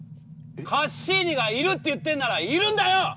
カッシーニがいるって言ってんならいるんだよ！